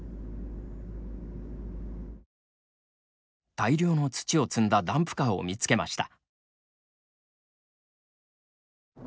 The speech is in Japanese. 大量の土を積んだダンプカーを見つけました。